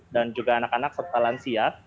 dan juga anak anak setelah lansia